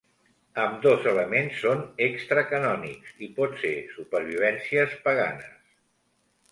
Ambdós elements són extra-canònics i pot ser supervivències paganes.